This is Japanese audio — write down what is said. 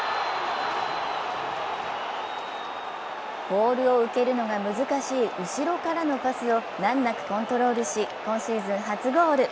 ボールを受けるのが難しい後ろからのパスを難なくコントロールし、今シーズン初ゴール。